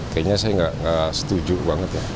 kayaknya saya nggak setuju banget ya